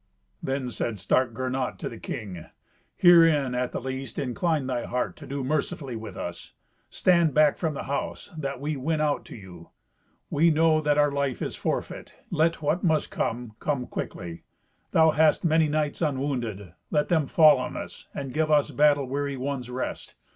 Then said stark Gernot to the king, "Herein, at the least, incline thy heart to do mercifully with us. Stand back from the house, that we win out to you. We know that our life is forfeit; let what must come, come quickly. Thou hast many knights unwounded; let them fall on us, and give us battle weary ones rest.